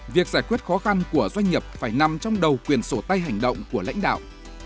việc giải quyết khó khăn của doanh nghiệp phải nằm trong đầu quyền sổ tay hành động của lãnh đạo